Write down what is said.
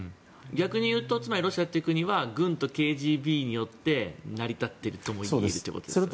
逆に言うとロシアという国は軍とＫＧＢによって成り立っているともいえるわけですよね。